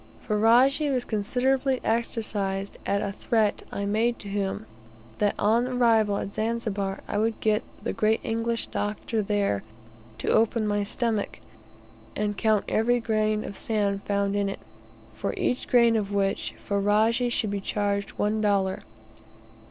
Ferajji was considerably exercised at a threat I made to him that on arrival at Zanzibar, I would get the great English doctor there to open my stomach, and count every grain of sand found in it, for each grain of which Ferajji should be charged one dollar.